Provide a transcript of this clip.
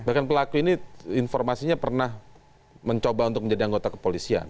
bahkan pelaku ini informasinya pernah mencoba untuk menjadi anggota kepolisian